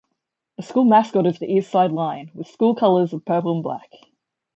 The school mascot is the Eastside Lion with school colors of purple and black.